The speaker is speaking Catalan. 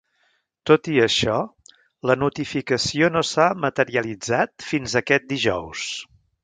Tot i això, la notificació no s’ha materialitzat fins aquest dijous.